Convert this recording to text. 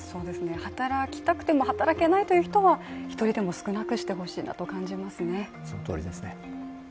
働きたくても働けないという人は１人でも少なくしてほしいなと感じますね。